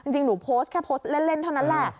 จริงหนูโพสต์แค่โพสต์เล่นเท่านั้นแหละ